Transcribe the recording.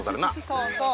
そうそう！